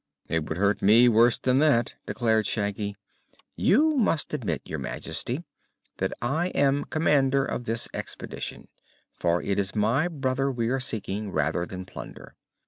"It would hurt me worse than that," declared Shaggy. "You must admit, Your Majesty, that I am commander of this expedition, for it is my brother we are seeking, rather than plunder.